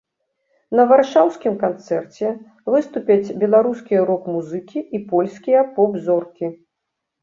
На варшаўскім канцэрце выступяць беларускія рок-музыкі і польскія поп-зоркі.